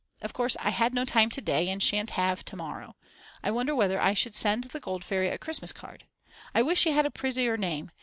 Of course I had no time to day and shan't have to morrow. I wonder whether I should send the Gold Fairy a Christmas card. I wish she had a prettier name.